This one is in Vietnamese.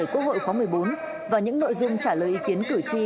quốc hội khóa một mươi bốn và những nội dung trả lời ý kiến cử tri